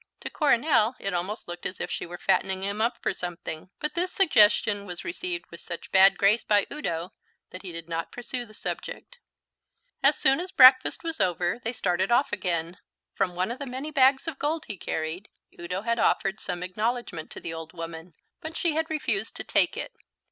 To Coronel it almost looked as if she were fattening him up for something, but this suggestion was received with such bad grace by Udo that he did not pursue the subject. As soon as breakfast was over they started off again. From one of the many bags of gold he carried, Udo had offered some acknowledgment to the old woman, but she had refused to take it.